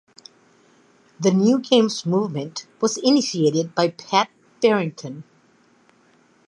The New Games movement was initiated by Pat Farrington.